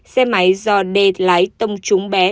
xe máy do đê lái tông trúng bé